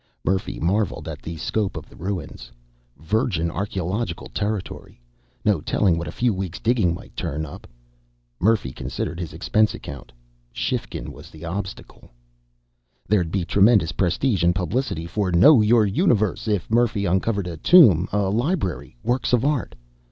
Murphy marvelled at the scope of the ruins. Virgin archaeological territory! No telling what a few weeks digging might turn up. Murphy considered his expense account. Shifkin was the obstacle. There'd be tremendous prestige and publicity for Know Your Universe! if Murphy uncovered a tomb, a library, works of art.